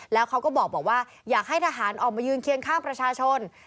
แล้วเขาก็บอกว่าอยากให้ทหารออกมายืนเคียงข้างประชาชน